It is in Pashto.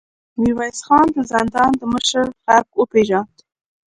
ميرويس خان د زندان د مشر غږ وپېژاند.